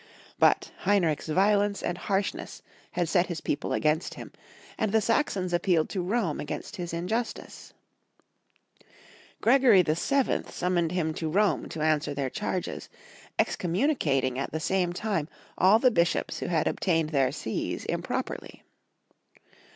But Heinrich's violence and harshness had set his people against him, and the Saxons appealed to Rome against his injustice. Gregory VII. sum Heinrich TV. Ill moned him to Rome to answer their charges, excom mmiicatuig at the same time all the bishops who had obtained their sees improperly.